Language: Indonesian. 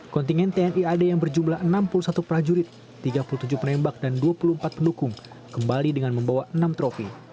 kontingen tni ad yang berjumlah enam puluh satu prajurit tiga puluh tujuh penembak dan dua puluh empat pendukung kembali dengan membawa enam tropi